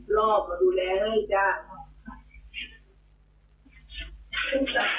มาเช็คสัตว์ไฟให้จ้านี่คือตั้งไว้ให้เลยครับเนี่ย